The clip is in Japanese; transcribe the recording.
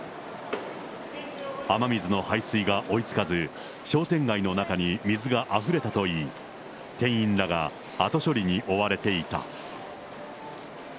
雨水の排水が追いつかず、商店街の中に水があふれたと言い、店員らが後処理に追われていた。